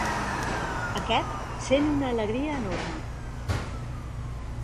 Aquest sent una alegria enorme.